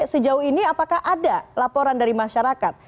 sejauh ini apakah ada laporan dari masyarakat